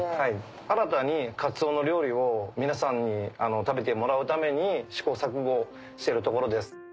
新たにカツオの料理を皆さんに食べてもらうために試行錯誤してるところです。